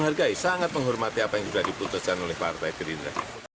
menghargai sangat menghormati apa yang sudah diputuskan oleh partai gerindra